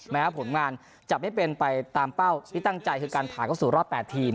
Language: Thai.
แม้ผลงานจะไม่เป็นไปตามเป้าที่ตั้งใจคือการผ่านเข้าสู่รอบ๘ทีม